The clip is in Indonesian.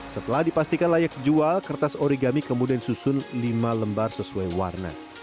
setelah dipastikan layak jual kertas origami kemudian disusun lima lembar sesuai warna